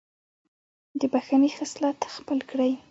د بښنې خصلت خپل کړئ.